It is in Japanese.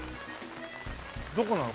どこなの？